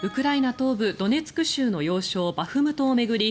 東部ドネツク州の要衝バフムトを巡り